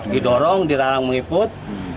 didorong diralang meliput